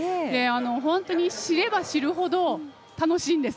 本当に知れば知るほど楽しいんです。